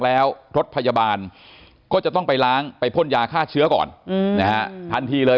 แล้วรถพยาบาลก็จะต้องไปล้างไปพ่นยาฆ่าเชื้อก่อนนะฮะทันทีเลย